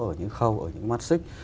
ở những khâu ở những mát xích